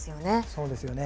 そうですよね。